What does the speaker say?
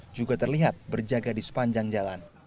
juga terlihat berjaga di sepanjang jalan